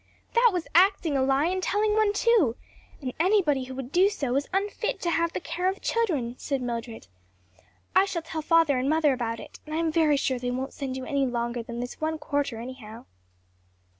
"That was acting a lie and telling one too; and anybody who would do so, is unfit to have the care of children," said Mildred. "I shall tell father and mother about it, and I'm very sure they won't send you any longer than this one quarter anyhow."